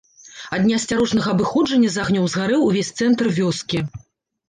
Ад неасцярожнага абыходжання з агнём згарэў увесь цэнтр вёскі.